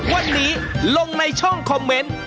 วันนี้ลงในช่องคอมเมนต์